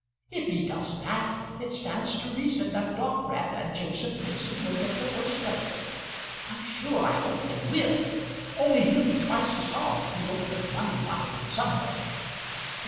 If he does that it stands to reason that Dockwrath and Joseph Mason will get the worst of it. I'm sure I hope they will; only he'll be twice as hard if he don't make money by it in some way."